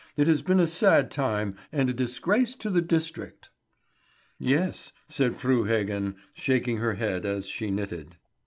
It has been a sad time, and a disgrace to the district." "Yes," said Fru Heggen, shaking her head as she knitted.